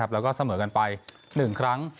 แล้วก็เสมอกันไป๑ครั้ง